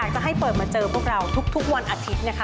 จะให้เปิดมาเจอพวกเราทุกวันอาทิตย์นะคะ